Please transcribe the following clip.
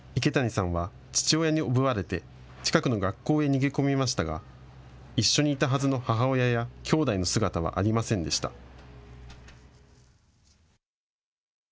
池谷さんは父親におぶわれて近くの学校へ逃げ込みましたが一緒にいたはずの母親やきょうだいの姿はありませんでした。